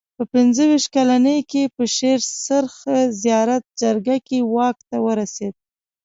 په پنځه ویشت کلنۍ کې په شېر سرخ زیارت جرګه کې واک ته ورسېد.